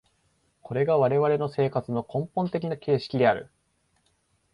これが我々の生活の根本的な形式である。